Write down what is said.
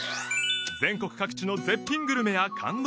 全国各地の絶品グルメや感動